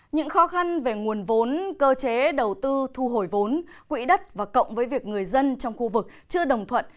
những khó khăn về nguồn vốn cơ chế đầu tư thu hồi vốn quỹ đất và cộng với việc người dân trong khu vực chưa đồng thuận